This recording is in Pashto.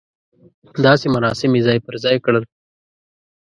داسې مراسم یې پر ځای کړل.